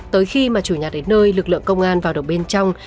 tới khi mà chủ nhà đến nơi lực lượng công an vào được bên trong